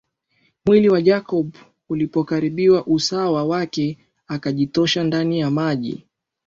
Mwili wa Jacob ulipokaribia usawa wake akajitosa ndani ya maji